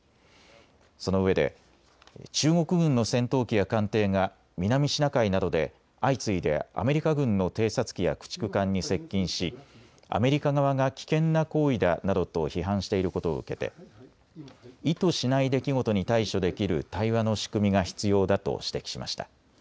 そのうえで中国軍の戦闘機や艦艇が南シナ海などで相次いでアメリカ軍の偵察機や駆逐艦に接近しアメリカ側が危険な行為だなどと批判していることを受けて意図しない出来事に対処できる対話の仕組みが必要だと指摘しました。